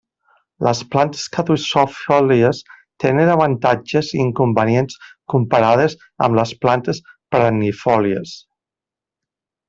Les plantes caducifòlies tenen avantatges i inconvenients comparades amb les plantes perennifòlies.